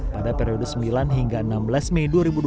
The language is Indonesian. pada periode sembilan hingga enam belas mei dua ribu dua puluh